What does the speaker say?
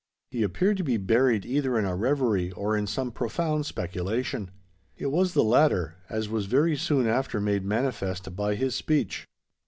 He appeared to be buried either in a reverie, or in some profound speculation. It was the latter: as was very soon after made manifest by his speech.